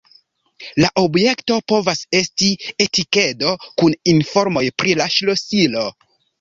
La objekto povas esti etikedo kun informoj pri la ŝlosilo.